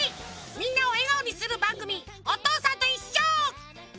みんなをえがおにするばんぐみ「おとうさんといっしょ」！